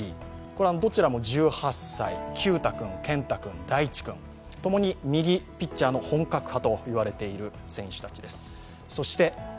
どちらも１８歳、球打君、健太君、大智君共に右ピッチャーの本格派と言われている選手たちです。